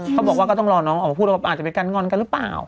เขาบอกว่าก็ต้องรอน้องออกมาพูดว่าอาจจะเป็นการงอนกันหรือเปล่า